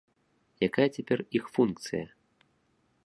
Якая цяпер іх функцыя?